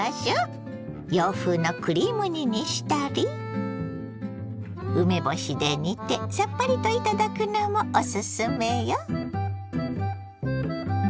洋風のクリーム煮にしたり梅干しで煮てさっぱりと頂くのもオススメよ。